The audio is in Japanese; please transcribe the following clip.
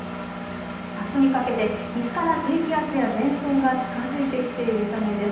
あすにかけて西から低気圧や前線が近づいてきているためです。